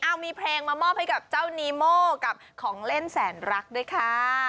เอามีเพลงมามอบให้กับเจ้านีโม่กับของเล่นแสนรักด้วยค่ะ